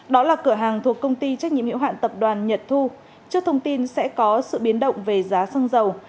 đó là cửa hàng thuộc công ty trách nhiệm hiệu hạn tập đoàn nhật thu trước thông tin sẽ có sự biến động về giá xăng dầu